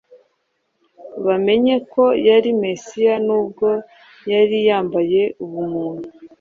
Bamenye ko yari Mesiya n’ubwo yari yambaye ubumuntu,